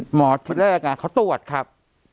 หมอที่แรกเขาตรวจครับ